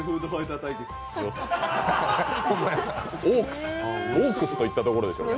オークスといったところでしょうか。